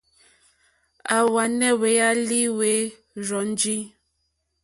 À hwànɛ́ hwɛ̀álí hwɛ́ rzɔ́njì.